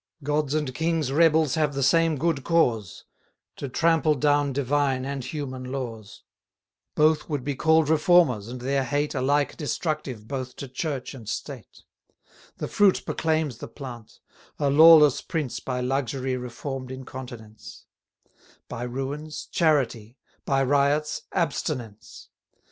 God's and king's rebels have the same good cause, To trample down divine and human laws: Both would be call'd reformers, and their hate Alike destructive both to Church and State: 360 The fruit proclaims the plant; a lawless prince By luxury reform'd incontinence; By ruins, charity; by riots, abstinence.